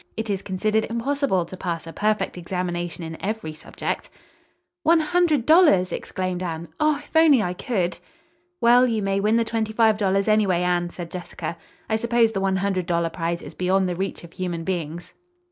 It is considered impossible to pass a perfect examination in every subject." "One hundred dollars!" exclaimed Anne. "Oh, if I only could!" "Well, you may win the twenty five dollars, anyway, Anne," said Jessica. "I suppose the one hundred dollar prize is beyond the reach of human beings."